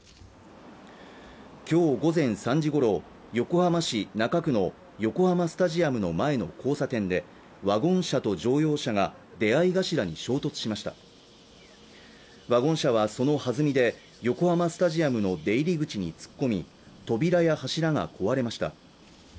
今日午前３時ごろ横浜市中区の横浜スタジアムの前の交差点でワゴン車と乗用車が出合い頭に衝突しましたワゴン車はその弾みで横浜スタジアムの出入り口に突っ込み扉や柱が壊れました